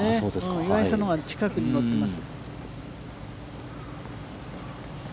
岩井さんのほうが近くに乗っています。